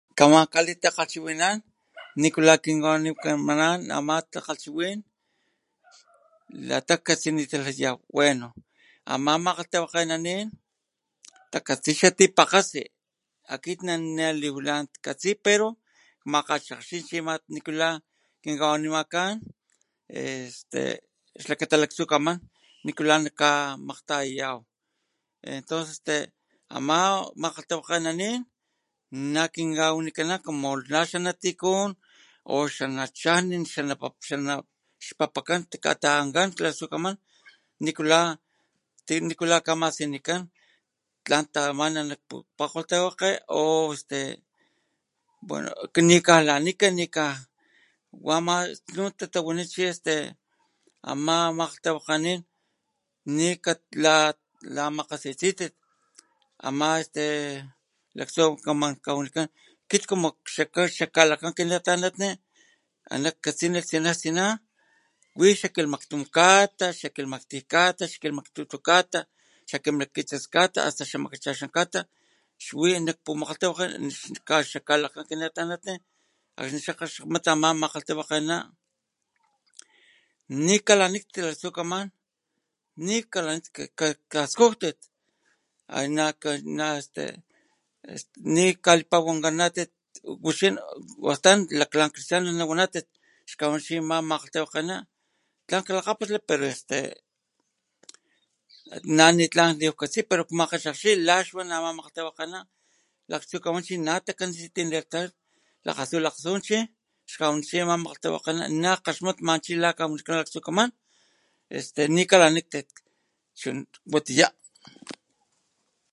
Kaman kalitakgalhchiwinanan nikula kinkawanikanan ama tachiwin lata jkatsi nitalayaw bueno ama makgalhtawakgenanin takatsi xa tipakgatsi akit niliwaj tlan katsi makgachakgxi nikula kinkawanimakan este xlakata laktsukaman nikula nakamakgtayayaw entonces este ama makgalhtawakgenanin nakinkawanikanan como la xanatikun o xanachatin o xana xanapapan kata'ankan laktsukaman nikula nikula kamasinikan tlan ta'amana nak pukgalhtawakge o este bueno ni kalanijka wa ama snun tatawila chi este ama makgalhtawakgenanin nika lamakgasitsitit ama este laktsukaman kawanikan como kit xak kalakan kinatanatni ana jkatsinilh tsinaj tsinaj wi xa kilhmaktum kata, xa kilhmakti kata, xa kilhmaktutu kata, xa kilhmakkitsis kata, xa kilhmakchaxan kata xwi nak pukgalhtawakga xakkalakgan kinatanatni akit xakg kgaxmata makgalhtawakgena nikalanikti laktsukaman nikalaniktit kaskujtit na este nikalipawankanantit wixin astan lak lanka nawanatit tlan cristiano nawanatit xkawani chi ama makgalhtawakgena naklakgapasli pero este na ni tlan liwij jkatsi pero este jkatsi laxwan ama makgalhtawakgena laktsukaman chi na insistirla lakgasut lakgsut chi xkawani chi ama makgalhtawakgena nak kgaxmatma kawanikan laktsukaman este nikalanikti este chu watiya.